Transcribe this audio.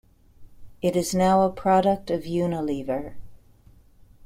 It is now a product of Unilever.